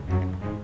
gak kecanduan hp